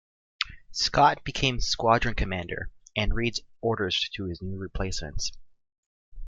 Scott becomes squadron commander and reads orders to his new replacements.